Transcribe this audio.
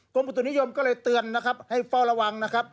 อุตุนิยมก็เลยเตือนนะครับให้เฝ้าระวังนะครับ